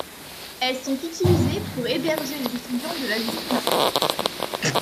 Elles sont utilisées pour héberger les étudiants de la Zitouna.